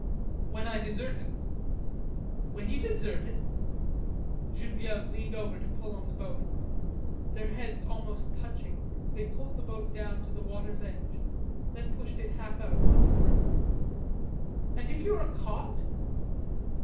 "When I deserted." "When you deserted?" Genevieve leaned over to pull on the boat. Their heads almost touching, they pulled the boat down to the water's edge, then pushed it half out on to the river. "And if you are caught?"